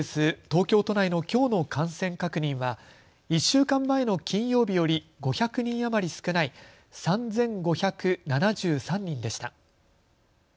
東京都内のきょうの感染確認は１週間前の金曜日より５００人余り少ない３５７３人でした。